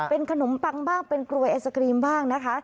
เป็นขนมปังบ้างเป็นกลวยไอศกรีมบ้างนะคะ